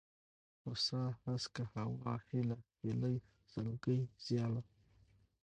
هوسا ، هسکه ، هوا ، هېله ، هيلۍ ، سلگۍ ، سياله